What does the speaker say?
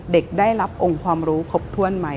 เด็กได้รับองค์ความรู้ครบถ้วนไหม